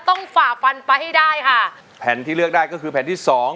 ฝ่าฟันไปให้ได้ค่ะแผ่นที่เลือกได้ก็คือแผ่นที่สอง